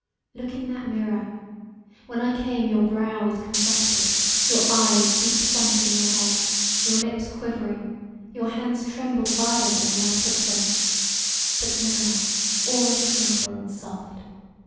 Look in that mirror; when I came your brow was contracted, your eyes deep sunk in your head, your lips quivering; your hands trembled violently when I took them; but now all is tranquil and soft.